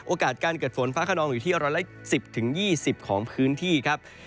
การเกิดฝนฟ้าขนองอยู่ที่๑๑๐๒๐ของพื้นที่ครับ